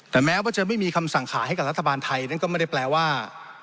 แต่แม้ว่าจะไม่มีคำสั่งขายให้กับรัฐบาลไทยนั่นก็ไม่ได้แปลว่า